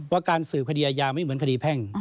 การสืบคดีอายาไม่เหมือนคดีแพ่ง